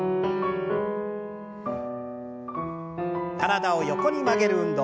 体を横に曲げる運動。